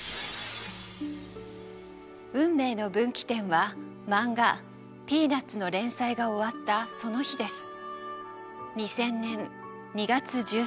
運命の分岐点はマンガ「ピーナッツ」の連載が終わったその日です。